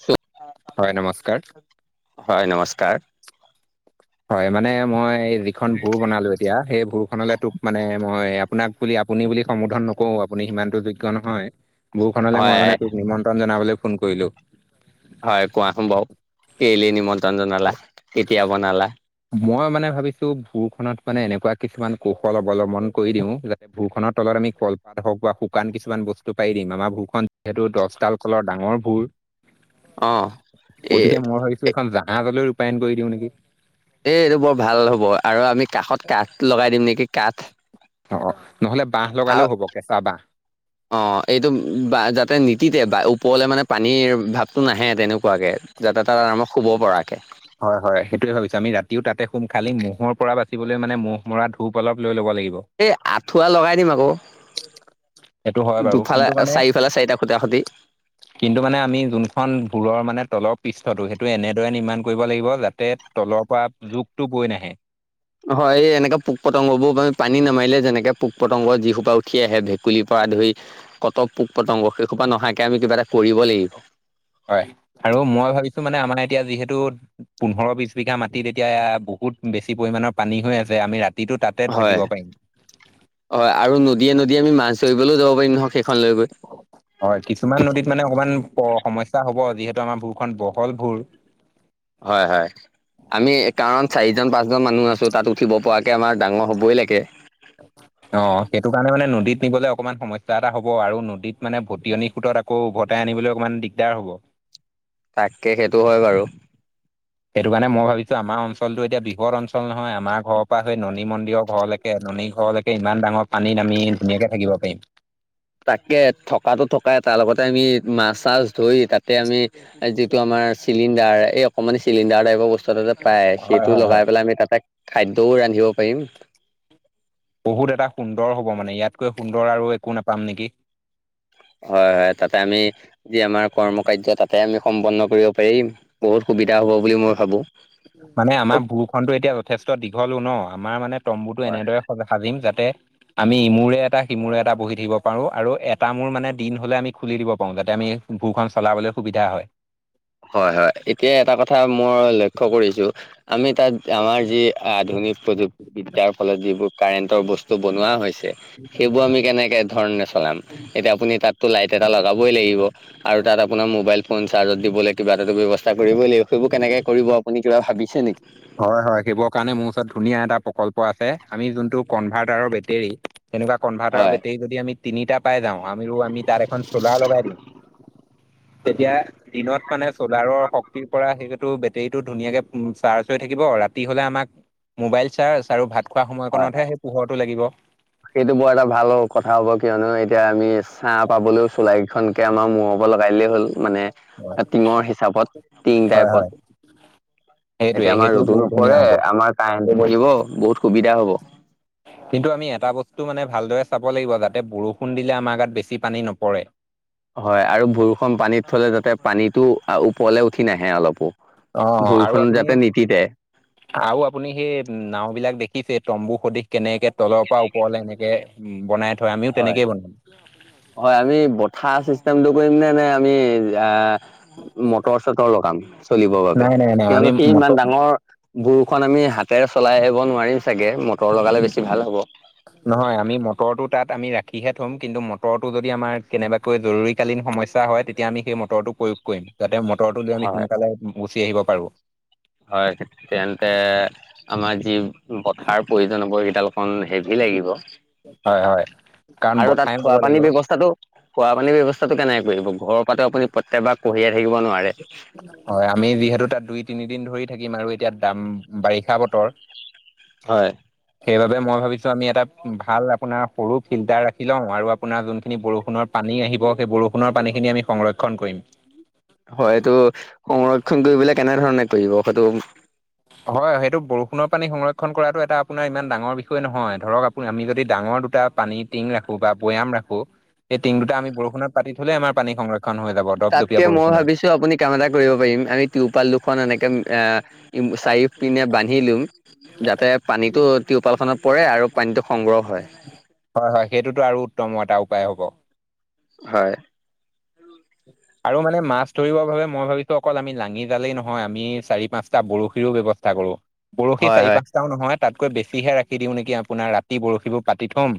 চ [unintelligible] হয়, নমস্কাৰ। হয়, নমস্কাৰ। হয়, মানে মই যিখন ভুঁৰ বনালো এতিয়া সেই ভুঁৰখনলে তোক মানে মই আপোনাক বুলি আপুনি বুলি সম্বোধন নকও। আপুনি সিমানটো যোগ্য নহয়। ভুঁৰখনলে মই হয় মানে তোক নিমন্ত্ৰণ জনাবলে ফোন কৰিলোঁ। হয়, কোৱাচোন বাৰু। কেলেই নিমন্ত্ৰণ জনালা, কেতিয়া বনালা। মই মানে ভাৱিছোঁ ভুঁৰখনত মানে এনেকুৱা কিছুমান কৌশল অৱলম্বন কৰি দিওঁ যে ভুঁৰখনৰ তলত আমি কলপাত হওক বা শুকান কিছুমান বস্তু পাৰি দিম। আমাৰ ভুঁৰখন যিহেতু দশ ডাল কলৰ ডাঙৰ ভুঁৰ। অ এ গতিকে, মই ভাৱিছোঁ এ এইখন জাহাজলৈ ৰূপায়ন কৰি দিওঁ নেকি? এই এইটো বৰ ভাল হ'ব আৰু আমি কাষত কাঠ লগাই দিম নেকি কাঠ? অঁ, নহ'লে বাঁহ লগালেও হ'ব কেঁচা বাঁহ। অঁ, এইটো ব--বা যাতে নিতিতে বা ওপৰলে মানে পানীৰ ভাৱটো নাহে তেনেকুৱাকে। যাতে তাত আৰামত শুব পৰাকে। হয়, হয় সেইটোৱে ভাৱিছোঁ। আমি ৰাতিও তাতে শুম খালি ম'হৰ পৰা বাচিবলৈ মানে ম'হ মৰা ধূপ অলপ লৈ ল'ব লাগিব। এই আঁঠুৱা লগাই দিম আক'। সেইটো হয় বাৰু দুফালে কিন্তু মানে চাৰিফালে চাৰিটা খুটা পুতি। কিন্তু মানে আমি যোনখন ভুঁৰৰ মানে তলৰ পৃষ্ঠটো সেই টো এনেদৰে নিৰ্মাণ কৰিব লাগিব যাতে তলৰ পৰা জুকটো বৈ নাহে। হয়, এই এনেকা পোক-পতংগবোৰ মানে পানীত নমাইদিলে যেনেকে পোক-পতংগ যি সোপা উঠি আহে। ভেক্ ভেকুলিৰ পৰা ধৰি ক'ত পোক-পতংগ সেইসোপা নহাকে আমি কিবা এটা কৰিব লাগিব। হয়, আৰু মই ভাৱিছোঁ মানে আমাৰ এতিয়া যিহেতু পোন্ধৰ, বিশ বিঘা মাটিত এতিয়া বহুত বেছি পৰিমাণৰ পানী হৈ আছে। আমি ৰাত হয়, হয় আৰু নদীয়ে নদীয়ে আমি মাছ ধৰিবলো যাব পাৰিম নহয় সেইখন লৈ গৈ। হয়, কিছুমান নদীত মানে অকণমান স সমস্ স্যা হ'ব। যিহেতু আমাৰ ভুঁৰখন বহল ভুঁৰ। হয়, হয়। আমি কাৰণ চাৰিজন, পাঁচজন মানুহ আছো তাত উঠিব পৰাকে আমাৰ ডাঙৰ হ'বই লাগে। অঁ, সেইটো কাৰণে মানে নদীত নিবলে অকমান সমস্যা এটা হ'ব আৰু নদীত মানে ভটিয়নি সোঁতত আক্ আকৌ উভতাই আনিবলৈ অকণমান দিগদাৰ হ'ব। তাকে, সেইটো হয় বাৰু। সেইটো কাৰণে মই ভাৱিছোঁ আমাৰ অঞ্চলটো এতিয়া বৃহৎ অঞ্চল নহয়। আমাৰ ঘৰপৰা সেই ননি মন্দিৰৰ ঘৰলে কে ননী ঘৰলৈকে ইমান ডাঙৰ পানীত আমি ধুনীয়াকে থাকিব পাৰিম। তাকে থকাতো থকাই তাৰ লগতে আমি মাছ তাছ ধৰি তাতে আমি যিটো আমাৰ চিলিণ্ডাৰ এই অকণমানি চিলিণ্ডাৰ টাইপৰ বস্ বস্তুটো পাই হয়, সেইটো হয়, হয়। লগাই পেলাই আমি তাতে খাদ্যও ৰান্ধিব পাৰিম। বহুত এটা সুন্দৰ হ'ব মানে ইয়াতকৈ সুন্দৰ আৰু একো নাপাম নেকি? হয়, হয় তাতে আমি যি আমাৰ কৰ্মকায্য তাতে আমি সম্পুৰ্ণ কৰিব পাৰিম। বহুত সুবিধা হ'ব বুলি মই ভাৱোঁ। মানে আমাৰ ভুঁৰখনতো এতিয়া যথেষ্ট দীঘলো ন'। আমাৰ মানে তম্বুটো হয় এনেদৰে স সাজিম যাতে আমি ইমূৰে এটা সিমূৰে এটা বহি থাকিব পাৰো আৰু এটা মোৰ মানে দিন হ'লে আমি খুলি দিব পাৰোঁ। যাতে আমি ভুঁৰখন চলাবলে সুবিধা হয়। হয় হয়, এতিয়া এটা কথা মই লক্ষ্য কৰিছো। আমি তাত আমাৰ যি আধুনিক প্ৰযুক্তি বিদ্যাৰ ফলত যিবোৰ কাৰেন্টৰ বস্তু বনোৱা হৈছে, সেইবোৰ আমি কেনেকে ধৰণে চলাম এতিয়া আপুনি তাত। লাইট এটা লগাবই লাগিব আৰু তাত আপোনাৰ মোবাইল ফোন চাৰ্জত দিবলৈ কিবা এটা চেষ্টা কৰিব লাগিব, সেইবোৰ কেনেকে কৰিব আপুনি কিবা ভাবিছে নেকি? হয় হয়, সেইবোৰ কাৰণে মোৰ ওচৰত ধুনীয়া এটা প্ৰকল্প আছে আমি যোনটো কনভাৰ্টাৰৰ বেটেৰী। তেনেকুৱা। কনভাৰ্টাৰ হয় বেটৰী যদি আমি তিনিটা পাই যাওঁ। আমি আমি তাত এখন চলাৰ লগাই দিম। তেতিয়া দিনত মানে চলাৰৰ শক্তিৰ পৰা সেইটো বেটেৰীতটো ধুনীয়াকে চাৰ্জ। থৈ থাকিব, ৰাতি হলে আমাক মোবাইল চাৰ্জ আৰু ভাত খোৱা হয় সময়কণতহে সেই পোহৰটো লাগিব। সেইটো বৰ এটা ভাল কথা হ'ব কিয়নো এতিয়া আমি চাৰ পাবলৈও চলাই। খনকে আমাৰ মৰব লগাই দেই হ'ল মানে। হয় টিঙৰ হিচাপত, টিং টাইপত। হয় সেইটোৱে এতিয়া আমাৰ সেইটো ৰ'দো বহুত ধুনীয়া নপৰে হ'ব আমাৰ কাৰেণ্টো বঢ়িব বহুত সুবিধা হব। [inaudible] কিন্তু আমি এটা বস্তু মানে ভালদৰে চাব লাগিব, যাতে বৰষুণ দিলে আমাৰ গাত বেছি পানী নপৰে। হয়, আৰু বৰষন পানীত থলে যাতে পানীটো আৰু ওপৰলৈ উঠি নাহে অলপো অ আৰু ভৰিখন আপুনি যাতে নতিতে। আৰু আপুনি সেই নাও বিলাক দেখিছে তম্বু সদশ। কেনেকে তলৰ পৰা ওপৰলে এনেকে উম বনাই থয়, আমিও হয় তেনেকেই বনাম। হয়, আমি বথাা চিষ্টেমটো কৰিম নে নে আমি আহ। মটৰ- চটৰৰ কাম চলিবৰ বাবে, নাই নাই নাই আমি কিয়নো সি ইমান মটৰ ডাঙৰ। বৰুখন আমি হাতেৰে চলাই আহিব নোৱাৰিম চাগে মটৰ লগালে বেছি ভাল হ'ব। নহয় আমি মটৰটো তাত আমি ৰাখিহে থম, কিন্তু মটৰটো যদি আমাৰ কেনেবাকে। জৰুৰীকালীন সমস্যা হয়, তেতিয়া আমি সেই মটৰটো প্ৰয়োগ কৰিম যাতে উতৰটো লৈ আমি হয় সোনকালে গুচি আহিব পাৰো। হয়, তেন্তে আমাৰ যি বঠাৰ প্ৰয়োজন হব কেইডাল। হেভি লাগিব হয় হয় কাৰণ আৰু বঠাই তাত মাৰিব থোৱা লাগিব পানীৰ ব্যৱস্থাটো। খোৱা পানী ব্যৱস্থাটো কেনেকে কৰিব, ঘৰৰ পৰাতো আপুনি প্ৰত্যকবাৰ কঢ়িয়াই থাকিব নোৱাৰে। হয় আমি যিহেতু তাত দুই তিনিদিন ধৰি থাকিম আৰু এতিয়া দাম বাৰিষা বতৰ। হয়। সেইবাবে মই ভাবিছো আমি এটা ভাল আপোনাৰ সৰু ফিল্টাৰ ৰাখি লওঁ আৰু আপোনাৰ যোনখিনি বৰষুণৰ। পানী আহিব সেই বৰষুণৰ পানীখিনি আমি সংৰক্ষণ কৰিম। হয়, এইটো সংৰক্ষণ কৰিবলে কেনেধৰণে কৰিব সেইটো। হয় সেইটো বৰষুণৰ পানী সংৰক্ষণ কৰাটো এটা আপোনাৰ ইমান ডাঙৰ বিষয় নহয় ধৰক। আমি যদি ডাঙৰ দুটা পানী টিং ৰাখো বা বৈয়াম ৰাখো। এই টিং দুটা আম বৰষুণত পাতি থলে আমাৰ পানী সংৰক্ষ তাতকে মই ভাবিছো আপুনি কাম এটা কৰিব পাৰিম আমি তিৰপাল দুখন এনেকে আহ। চাৰিওফ পিনে বান্ধি লৈ। যাতে পানীতটো টিউপাল পাল খনত পৰে আৰু পানীতো সংগ্ৰহ হয়। হয় হয়, সেইটোতো আৰু উত্তম এটা উপায় হ'ব। হয়। আৰু মানে মাছ ধৰিব বাবে মই ভাবিছো অকল আমি লাঙি জালেই নহয়, আমি চাৰি পাঁচটা বৰশীৰো ব্যৱস্থা। কৰোঁ। বৰশী হয় চাৰি - হয় পাঁচটাও নহয়, তাতকৈ বেছিহে ৰাখি দিওঁ নেকি আপোনাৰ ৰাতি বৰশীবোৰ পাতি থম।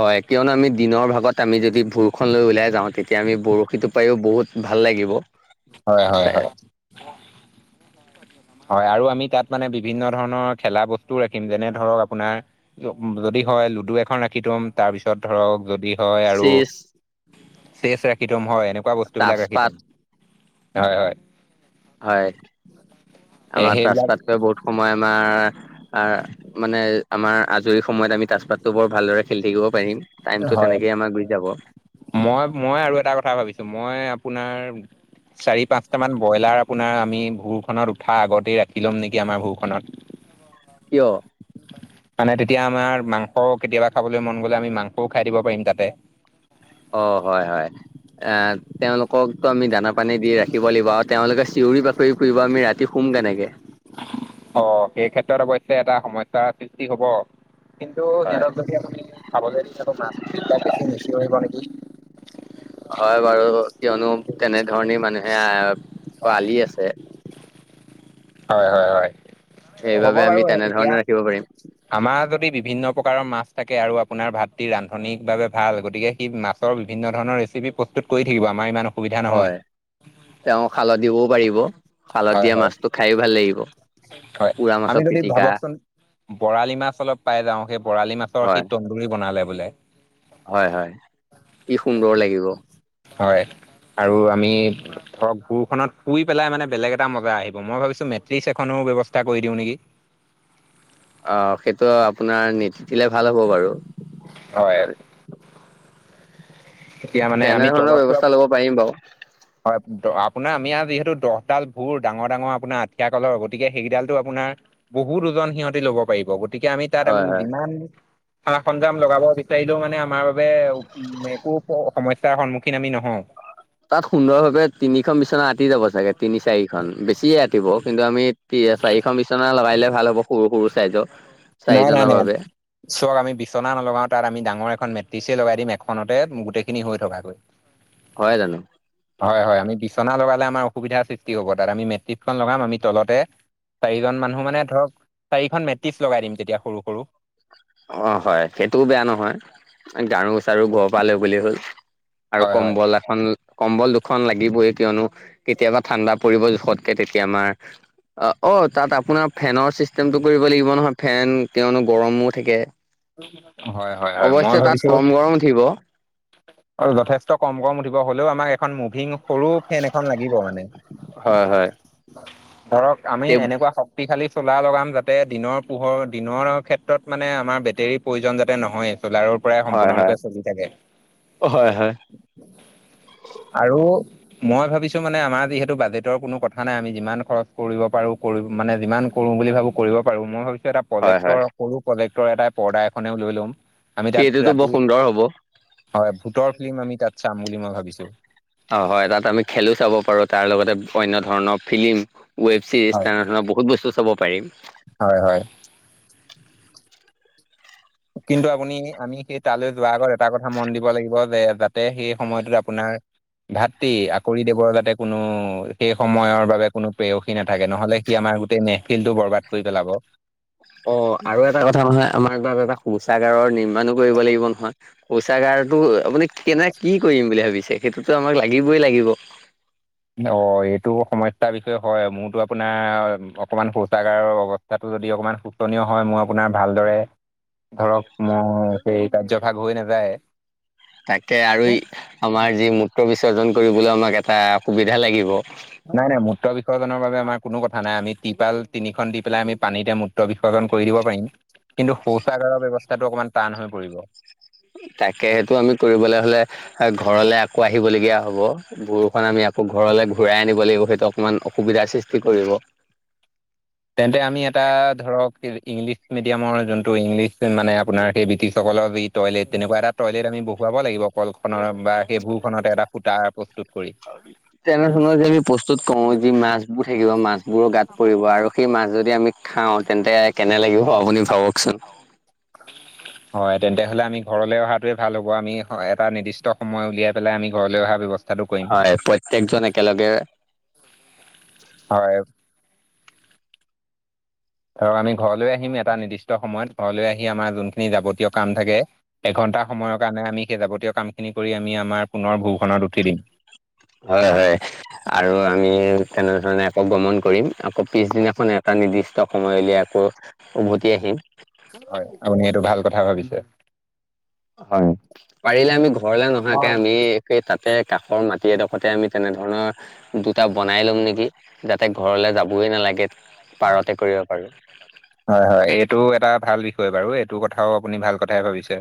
হয় কিয়নো আমি দিনৰ ভাগত আমি যদি ভুৰখন লৈ ওলাই যাওঁ তেতিয়া আমি বৰশী টু পাইয়ো বহুত ভাল লাগিব। হয় হয় হয়। হয় আৰু আমি তাত মানে বিভিন্ন ধৰণৰ খেলা বস্তু ৰাখিম যেনে ধৰক আপোনাৰ যদি হয় লুডু এখন ৰাখি থম, তাৰপিছত ধৰক যদি হয় আৰু চিজ চেচ ৰাখি থম হয় এনেকুৱা বস্তু বিলাক ৰাখি তাজপাত থম। হয় হয়। হয় এ আমাৰ সেইবিলাক তাজপাতটোয়ে বহুত সময় আমাৰ আ মানে আমাৰ আজৰি সময়ত আমি তাজপাতটো বৰ ভালদৰে খেলি থাকিব পাৰিম। টাইমটো হয় তেনেকেই আমাৰ গুচি যাব। মই মই আৰু এটা কথা ভাবিছোঁ মই আপোনাৰ চাৰি পাঁচটামান ব্ৰইলাৰ আপোনাৰ আমি ভুৰখনত উঠা আগতেই ৰাখি ল'ম নেকি আমাৰ ভুৰখনত। [inaudible] কিয়? মানে তেতিয়া আমাৰ মাংস কেতিয়াবা খাবলৈ মন গ'লে আমি মাংসও খাই দিব পাৰিম তাতে। অ' হয় হয় এ তেওঁলোকক ত' আমি দানা পানী দি ৰাখিব লাগিব, আৰু তেওঁলোকে চিঞৰি বাকৰি ফুৰিব, আমি ৰাতি শুম কেনেকে? অ' সেই ক্ষেত্ৰত অৱেশ্যে এটা সমস্যাৰ সৃষ্টি হ'ব। কিন্তু হয় সিহঁতক যদি আমি খাবলৈ দি আকৌ মাছ বিলাক বেছি নিচিঞৰিব নেকি। হয় বাৰু কিয়নো তেনেধৰণে মানুহে আহ পালী আছে। হয় হয় হয়, হ'ব সেইবাবে আমি বাৰু এতিয়া। তেনেধৰণে ৰাখিব পাৰিম আমাৰ যদি বিভিন্ন প্ৰকাৰৰ মাছ থাকে আৰু আপোনাৰ ভাতৃ ৰান্ধনিভাৱে ভাল গতিকে সি মাছ ৰ বিভিন্ন ধৰণৰ ৰেচিপি প্ৰস্তুত কৰি থাকিব আমাৰ ইমান অসুবিধা নহয়। হয় তেওঁ খালদ দিবও পাৰিব খালদ হয় দিয়া হয় মাছটো খাইয়ো ভাল লাগিব। হয়, পুৰা আমি মাছৰ যদি পিটিকা ভাবকচোন বৰালি মাছ অলপ পাই যাওঁ, সেই বৰালি মাছৰ সি হয় তন্দুৰী বনালে বোলে হয় হয়, কি সুন্দৰ লাগিব। হয়। আৰু আমি ধৰক ভুৰখনত শুই পেলাই মানে বেলেগ এটা মজা আহিব, মই ভাবিছো মেট্ৰেছ চেট্ৰেছ খনো ব্যৱস্থা কৰি দিও নেকি। অঁ সেইটো আপোনাৰ নিতিতিলে ভাল হ'ব বাৰু। হয়। তেতিয়া মানে আমি তেনেধৰণৰ তলত শুৱা ব্যৱস্থা লব পাৰিম বাৰু। হয় আপোনাৰ আমি আ যিহেতু দহডাল ভুৰ ডাঙৰ ডাঙৰ আপোনাৰ আঠিয়া কলৰ গতিকে সেইডালটো আপোনাৰ বহুত ওজন সিহঁতি লব পাৰিব। গ তিকে আমি তাত হয় হয় যিমান সা সঞ্জাম লগাব বিচাৰিলেও মানে আমাৰ এ একো সমস্যাৰ সন্মুখীন আমি নহওঁ। তাত সুন্দৰভাৱে তিনিখন বিচনা আঁতি যাব চাগে। তিনি চাৰিখন বেছিয়ে আঁতিব, কিন্তু আমি চাৰিখন বিচনা লগাই দিলে ভাল হ'ব সৰু সৰু ছাইজৰ। নাই নাই নাই। চক আমি বিচনা নলগাওঁ তাত আমি ডাঙৰ এ মেট্ৰেছে লগাই দিম এখনতে গোটেইখিনি হৈ থকাকৈ। [inaudible] হয় জানো? হয় হয় আমি বিচনা লগালে আমাৰ অসুবিধাৰ সৃষ্টি হ'ব, তাত আমি মেট্ৰেছখন লগাম আমি তলতে চাৰিজন মানুহ মানে ধৰক চাৰিখন মেট্ৰেছ লগাই দিম তেতিয়া সৰু সৰু। অ হয় সেইটোও বেয়া নহয় গাৰু চাৰু ঘৰৰ পালে বুলি হ'ল, আৰু হয় হয় কম্বল এখন কম্বল দুখন লাগিবইে কিয়নো কেতিয়াবা ঠাণ্ডা, পৰিব জোখতকে তেতিয়া আমাৰ অ তাত আপোনাৰ ফেনৰ চিষ্টেমটো কৰিব লাগিব নহয়। ফেন কিয়নো গৰমত, হয় হয় হয় মই অৱশ্যে তাত ভাবিছোঁ। কম গৰম উঠিব যথেষ্ট কম কম উঠিব হ'লেও আমাৰ এখন মুভিং সৰু, ফেন এখন লাগিব মানে হয় হয় ধৰক আমি তে এনেকুৱা শব্দ পি খালি চোলা লগাম যাতে দিনৰ পোহৰ দিনৰ। ক্ষেত্ৰত মানে আমাৰ বেটেৰীৰ প্ৰয়োজন যাতে নহয়েই চ'লাৰৰ, প্ৰায় হয় সম্পূৰ্ণৰূপে হয় চলি থাকে হয় হয় আৰু মই ভাবিছো মানে আমাৰ যিহেতু বাজেটৰ কোনো কথা নাই আমি যিমান খৰচ কৰিব পাৰো কৰো মানে যিমান। কৰো বুলি ভাবো কৰিব পাৰো মই ভাবিছো এটা হয় প্ৰজেক্টৰ হয় সৰু প্ৰজেক্টৰ এটা পৰ্দা এখনেও লৈ ল'ম। আমি তাত সেইটোতো বৰ ৰাতি সুন্দৰ হ'ব হয় ভোতৰ ফিল্ম আমি তাত চাম বুলি মই ভাবিছো। অ হয় তাত আমি খেলো চাব পাৰো তাৰ লগতে অনন্য ধৰণৰ ফিল্ম। ৱেব ছিৰিজ হয় তেনেধৰণৰ বহুত বস্তু চাব পাৰিম। হয় হয়। কিন্তু আপুনি আমি সেই, তালৈ যোৱাৰ আগত এটা কথা মন দিব লাগিব যে যাতে সেই সময়টোত আপোনাৰ। ভাতৃ আকৌ ৰি দেৱৰ যাতে, কোনো সেই সময়ৰ বাবে কোনো প্ৰেয়সী নাথাকে নহলে সি আমাৰ গোটেই নেপখিন টো বৰবাদ কৰি পেলাব। অ আৰু এটা কথা নহয় আমাৰ তাত এটা শৌচাগাৰৰ নিৰ্মাণো কৰিব লাগিব নহয়। শৌচাগাৰতো আপুনি কেনে কি কৰিম বুলি ভাবিছে সেইটোতো আমাক লাগিবই লাগিব। অ এইটো সমস্যাৰ বিষয়ে হয় মোৰতো আপোনাৰ অকমান শৌচাগাৰৰ অৱা কটো যদি অকমান শুতনীয় হয় মোৰ আপোনাৰ ভালদৰে। ধৰক মই সেই কাৰ্যভাগ হৈ নাযায়। তাকে আৰু আমাৰ যি মূত্ৰ বিসৰ্জন কৰিবলৈ আমাক এটা সুবিধা লাগিব। নাই নাই মূত্ৰ বিসৰ্জনৰ বাবে আমাৰ কোনো কথা নাই আমি তিপাল তিনিখন দি পেলাই আমি পানীতে ম মূত বিসৰ্জন কৰি দিব পাৰিম কিন্তু শৌচাগাৰৰ ব্যৱস্থাটো অকণমান টান হৈ পৰিব। তাকে সেইটো আমি কৰিবলৈ হ'লে। ঘৰলে আকৌ আহিবলগীয়া হ'ব বৰষুণ আমি, ঘৰলৈ ঘূৰাই আনিব লাগিব সেইটো অকণমান অসুবিধাৰ সৃষ্টি কৰিব। তেন্তে আমি এটা ধৰক ইংলিছ মিডিয়ামৰ যোনটো ইংলিছ মানে আপোনাৰ সেই ব্ৰিটিছসকলৰ যি। টয়লেট তেনেকুৱা এটা টয়লেট আমি বহুৱাব লাগিব কল খনৰ বা সেই ভূ খনতে এটা ফুতটা প্ৰস্তুত কৰি। তেনেধৰণৰ যে আমি প্ৰস্তুত কৰো যি মাছ। থাকিব মাছ বোৰো গাত পৰিব আৰু সেই মাছ যদি আমি, খাও তেন্তে কেনে লাগিব আপুনি ভাবকচোন। [unintelligible] হয় তেন্তে হলে আমি ঘৰলৈ অহাতোৱে ভাল হ'ব আমি এটা নিৰ্দিষ্ট সময় উলিয়াই পেলাই আমি ঘৰলৈ অহা ব্যৱস্থা, হয় প্ৰত্যেকজন একেলগে। হয়। ধৰক আমি ঘৰলৈ আহিম এটা নিৰ্দিষ্ট সময়ত ঘৰলৈ আহি আমাৰ যোনখিনি যাৱতীয় কাম থাকে। এঘন্টা সময়ৰ কাৰণে আমি সেই যাৱতীয় কামখিনি কৰি আমি আমাৰ পুনৰ ভূখনত উঠি দিম। হয় হয় আৰু আমি তেনেধৰণে আকৌ গমন কৰিম। আকৌ পিছদিনাখন এটা নিৰ্দিষ্ট সময়লৈ আকৌ উভতি আহিম। হয় আপুনি সেইটো ভাল কথা ভাবিছে। হয়, পাৰিলে আমি ঘৰলে নহাকে আমি সেই তাতে কাষৰ মাটি এড- খতে আমি তেনেধৰণৰ- দুটা বনাই ল'ম নেকি যাতে ঘৰলে যাবই নালাগে পাৰতে কৰিব পাৰো। হয় হয়, এইটো এটা ভাল বিষয় বাৰু এইটো কথাও আপুনি ভাল কথাই ভাবিছে।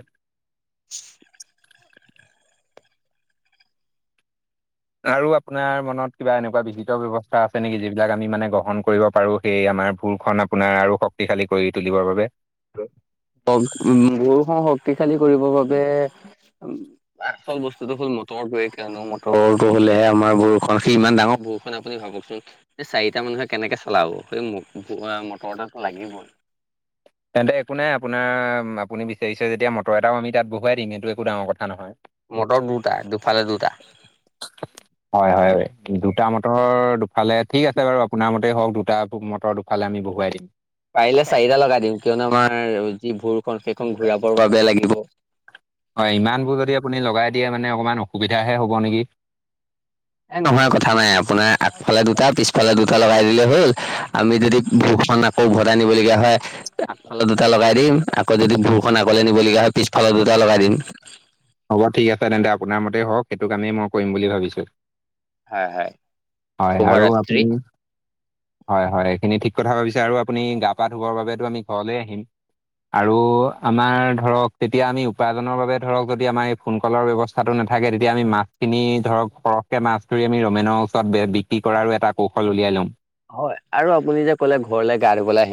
[unintelligible] আৰু আপোনাৰ মনত কিবা এনেকুৱা বিহিত ব্যৱস্থা আছে নেকি যিবিলাক আমি মানে গ্ৰহণ কৰিব পাৰো। সেই আমাৰ ভুলখন আপোনাৰ আৰু শক্তিশালী কৰি তুলিবৰ বাবে। উ গৰুখন শক্তিশালী কৰিবৰ বাবে- আচল বস্তুটো হল মদ। মটৰ দোৱে কিয়নো মটৰটো হ'লে আমাৰ বৰষুণ সি ইমান ডাঙৰ বৰষুণ আপুনি ভাবকচোন। এই চাৰিটা মানুহে কেনেকে চলাব সেই মটৰ এটাটো লাগিবই। তেন্তে একো নাই আপোনাৰ আপুনি বিচাৰিছে যেতিয়া মটৰ এটাও আমি তাত বহুৱাই দিম এইটো একো ডাঙৰ কথা নহয়। মটৰ দুটা দুফালে দুটা। [inaudible] হয় হয়, দুটা মটৰ দুফালে ঠিক আছে বাৰু আপোনাৰ মতেই হওক দুটা মটৰ দু- ফালে আমি বহুৱাই দিম। পাৰিলে চাৰিটা লগাই দিম কিয়নো আমাৰ যি ভোৰ খন সেইখন ঘূৰাবৰ বাবে লাগিব। হয়, ইমানবোৰ যদি আপুনি লগাই দিয়ে মানে অকমান অসুবিধাহে হ'ব নেকি। এ নহয় কথা নাই আপোনাৰ আগফালে দুটা পিছফালে দুটা লগাই দিলে হ'ল আমি যদি ভুখনা- আকৌ উভটাই নিবলগীয়া হয় আগফালে দুটা লগাই দিম আক- যদি ভূষণ আগলে নিবলগীয়া হয় পিছফালে দুটা লগাই দিম। হ'ব ঠিক আছে তেন্তে আপোনাৰ মতেই হওক, সেইটো কামেই মই কৰিম বুলি ভাবিছো। হয় হয়, হয় শুভ আৰু ৰাত্ৰি আপুনি, হয় হয়, এইখিনি ঠিক কথা ভাবিছে আৰু আপুনি গা পা ধুবৰ বাবেতো আমি ঘৰলে আহিম। আৰু আমাৰ ধৰক তেতিয়া আমি উপাৰ্জনৰ বাবে ধৰক যদি আমাৰ- সোনকলৰ ব্যৱস্থাটো নাথাকে তেতিয়া আমি মাছখিনি ধৰক সৰহকে মাছ ধৰি আমি ৰমেনক- চত বিক্ৰী কৰাৰো এটা কৌশল উলিয়াই ল'ম। হয়, আৰু আপুনি যে কলে ঘৰলৈ গা ধুবলে আহি-